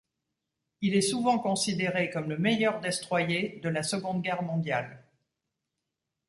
Il est souvent considéré comme le meilleur destroyer de la Seconde Guerre mondiale.